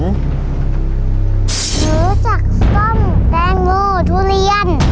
หนูจากส้มแดงงูทุเรียน